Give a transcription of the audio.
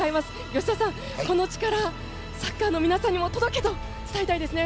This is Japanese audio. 吉田さん、この力サッカーの皆さんにも届けと伝えたいですね。